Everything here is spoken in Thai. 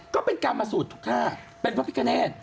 ก็เป็นการมาสูตรทุกท่าเป็นพระพิกาเนต